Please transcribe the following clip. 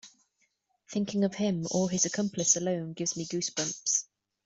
Thinking of him or his accomplice alone gives me goose bumps.